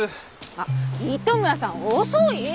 あっ糸村さん遅い！